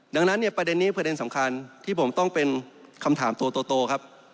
ดังนั้นเนี่ยประเด็นนี้ประเด็นสำคัญที่ผมต้องเป็นคำถามตัวโตครับ